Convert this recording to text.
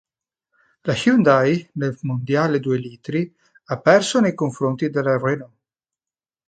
La Hyundai nel mondiale due litri ha perso nei confronti della Renault.